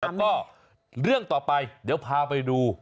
แล้วก็เรื่องต่อไปเดี๋ยวพาไปดู